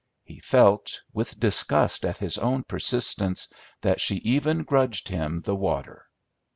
He felt, with disgust at his own persistence, that she even grudged him the water.